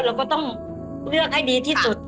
เราก็ต้องเลือกให้ดีที่สุด